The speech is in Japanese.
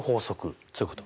そういうこと。